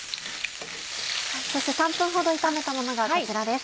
そして３分ほど炒めたものがこちらです。